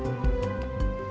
saya juga ingin mencoba